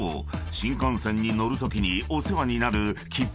新幹線に乗るときにお世話になる］